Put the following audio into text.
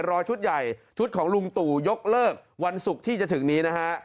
ชุดใหญ่ชุดของลุงตู่ยกเลิกวันศุกร์ที่จะถึงนี้นะฮะ